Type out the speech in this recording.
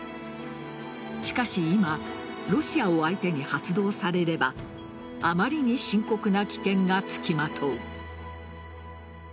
しかし今ロシアを相手に発動されればあまりに深刻な危険がつきまとう。